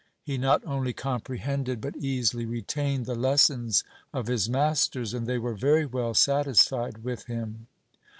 He not only comprehended, but easily retained the lessons of his masters, and they were very well satisfied with him.